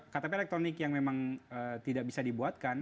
ktp elektronik yang memang tidak bisa dibuatkan